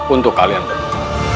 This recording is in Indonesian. untuk kalian berdua